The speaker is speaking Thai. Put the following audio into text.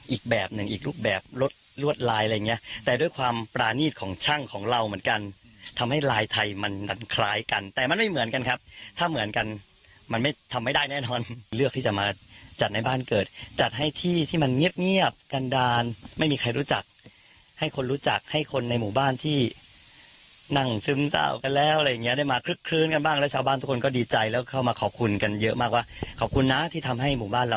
อีกแบบหนึ่งอีกรูปแบบรวดลายอะไรอย่างนี้แต่ด้วยความปราณีตของช่างของเราเหมือนกันทำให้ไลน์ไทยมันนั้นคล้ายกันแต่มันไม่เหมือนกันครับถ้าเหมือนกันมันทำไม่ได้แน่นอนเลือกที่จะมาจัดในบ้านเกิดจัดให้ที่ที่มันเงียบกันดานไม่มีใครรู้จักให้คนรู้จักให้คนในหมู่บ้านที่นั่งซึ้มเต้ากันแล้วอะไรอย่างนี้ได้มาคล